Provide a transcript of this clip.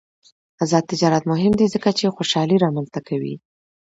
آزاد تجارت مهم دی ځکه چې خوشحالي رامنځته کوي.